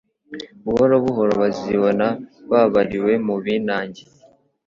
Buhoro buhoro bazibona babariwe mu binangiye.